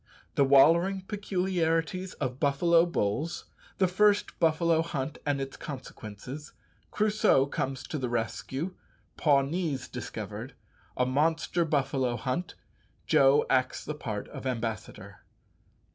_The "wallering" peculiarities of buffalo bulls The first buffalo hunt and its consequences Crusoe comes to the rescue Pawnees discovered A monster buffalo hunt Joe acts the part of ambassador_.